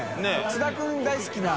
菅田君大好きな。